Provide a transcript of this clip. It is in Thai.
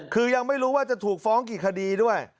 คือยังไม่รู้ว่าจะถูกฟ้องกี่คดีด้วย